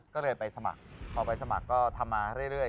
ก็เลยไปสมัครพอไปสมัครก็ทำมาเรื่อย